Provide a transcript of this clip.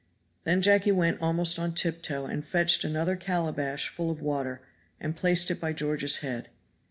Then Jacky went almost on tiptoe, and fetched another calabash full of water and placed it by George's head.